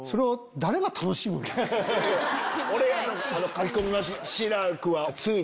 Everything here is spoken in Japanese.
俺が書き込みます。